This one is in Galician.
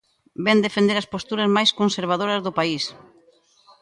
Vén defender as posturas máis conservadoras do país.